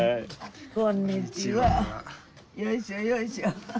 こんにちはよいしょよいしょ